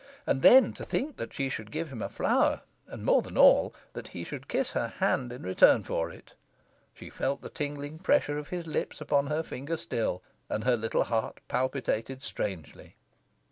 And then to think that she should give him a flower, and, more than all, that he should kiss her hand in return for it! She felt the tingling pressure of his lips upon her finger still, and her little heart palpitated strangely.